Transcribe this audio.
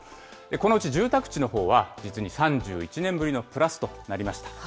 このうち住宅地のほうは、実に３１年ぶりのプラスとなりました。